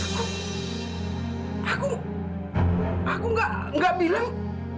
aku aku gak bilang